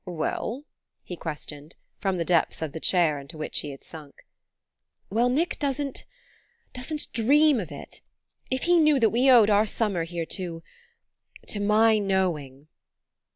"Well ?" he questioned, from the depths of the chair into which he had sunk. "Well, Nick doesn't... doesn't dream of it. If he knew that we owed our summer here to... to my knowing...."